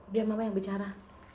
biar mama yang bicara